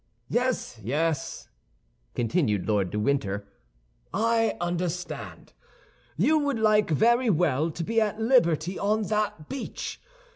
"Yes, yes," continued Lord de Winter, "I understand. You would like very well to be at liberty on that beach!